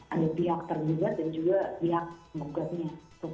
ada pihak terdugat dan juga pihak gugatnya